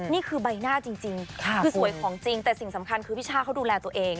นี่คือใบหน้าจริงคือสวยของจริงแต่สิ่งสำคัญคือพี่ช่าเขาดูแลตัวเอง